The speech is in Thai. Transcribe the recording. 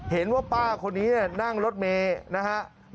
เห็นว่าป้าคนนี้นั่งรถเมย์นะฮะ